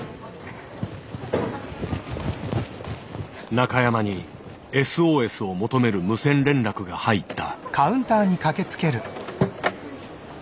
中山にＳＯＳを求める無線連絡が入った。